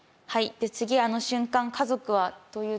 で次「あの瞬間家族は」というところで。